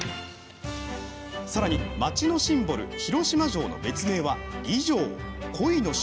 さらに町のシンボル広島城の別名は鯉城。